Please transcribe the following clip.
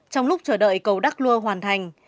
trong lúc chờ đợi cầu đắc lua hoàn thành